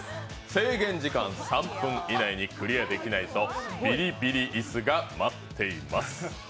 制限時間３分以内にクリアできないとビリビリ椅子が待っています。